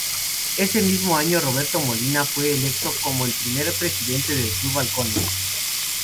Ese mismo año Roberto Molina fue electo como el primer presidente del Club Halcones.